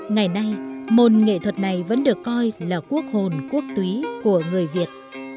ngày nay môn nghệ thuật này vẫn được coi là quốc hồn quốc túy của người việt